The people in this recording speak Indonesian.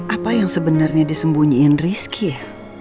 apa yang sebenarnya disembunyiin rizky